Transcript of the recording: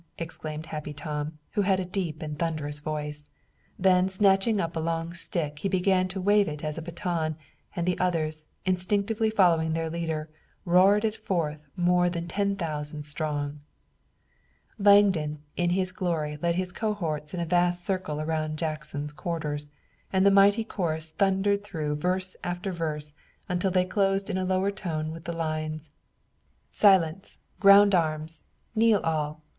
exclaimed Happy Tom, who had a deep and thunderous voice. Then snatching up a long stick he began to wave it as a baton, and the others, instinctively following their leader, roared it forth, more than ten thousand strong. Langdon in his glory led his cohorts in a vast circle around Jackson's quarters, and the mighty chorus thundered through verse after verse, until they closed in a lower tone with the lines: "Silence! ground arms! kneel all!